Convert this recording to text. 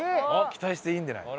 「期待していいんじゃない？」。